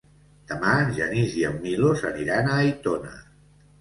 Demà en Genís i en Milos aniran a Aitona.